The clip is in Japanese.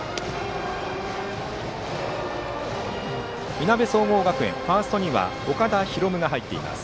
いなべ総合学園、ファーストには岡田大夢が入っています。